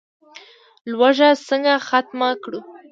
لوږه څنګه ختمه کړو؟